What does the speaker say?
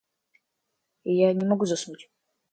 Я не могу заснуть.